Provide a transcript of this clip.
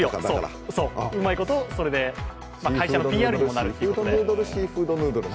うまいこと、それで会社のＰＲにもなるということで。